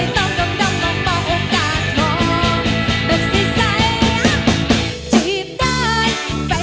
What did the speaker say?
ก็ปล่อยแบบเซทใส